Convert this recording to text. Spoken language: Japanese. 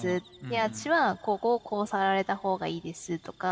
私はこうこうこう触られたほうがいいです」とか。